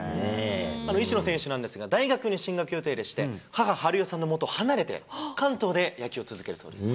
石野選手なんですが、大学に進学予定でして、母、春代さんのもとを離れて、関東で野球を続けるそうです。